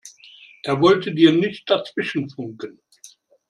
Er wollte dir nicht dazwischenfunken.